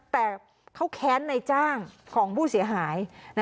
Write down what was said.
แต่เขาแค้นในจ้างของผู้เสียหาย